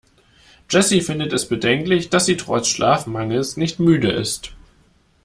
Jessy findet es bedenklich, dass sie trotz Schlafmangels nicht müde ist.